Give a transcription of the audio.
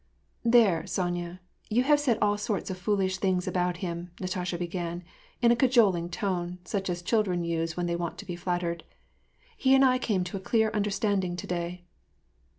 " There, Sonya, you have said all sorts of foolish things about him," Natasha began, in a cajoling tone, such as chil dren use when they want to be flattered. " He and I came to a clear understanding to^ay."